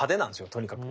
とにかく。